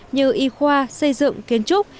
như y khoa xây dựng kiến trúc